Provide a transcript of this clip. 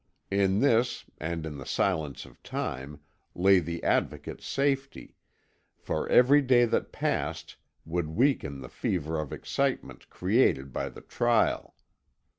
In this, and in the silence of time, lay the Advocate's safety, for every day that passed would weaken the fever of excitement created by the trial.